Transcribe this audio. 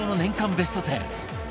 ベスト１０